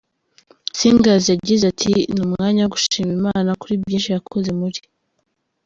Singers yagize ati : “Ni umwanya wo gushima Imana kuri byinshi yakoze muri